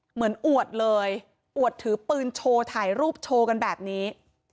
อวดเลยอวดถือปืนโชว์ถ่ายรูปโชว์กันแบบนี้